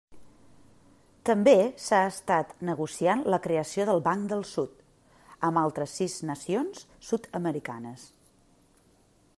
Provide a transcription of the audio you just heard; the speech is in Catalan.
També s'ha estat negociant la creació del Banc del Sud, amb altres sis nacions sud-americanes.